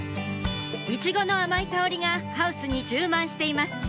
イチゴの甘い香りがハウスに充満しています